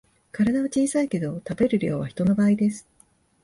体は小さいけど食べる量は人の倍です